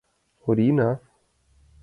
Орина.